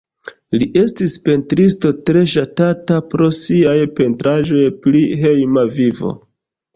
Li estis pentristo tre ŝatata pro siaj pentraĵoj pri hejma vivo.